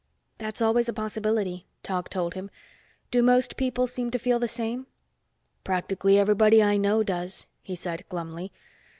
"That's always a possibility," Tog told him. "Do most people seem to feel the same?" "Practically everybody I know does," he said glumly.